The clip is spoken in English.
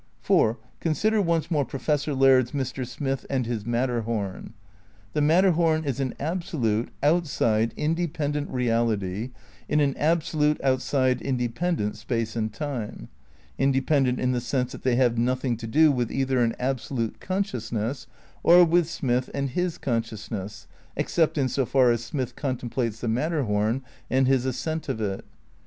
For, consider once more Professor Laird's Mr. Smith and his Matterhom. The Matterhom is an ab solute, outside, independent reality in an absolute, outside, independent space and time: independent in the sense that they have nothing to do with either an absolute consciousness or with Smith and his con sciousness, except in so far as Smith contemplates the Matterhom and his ascent of it.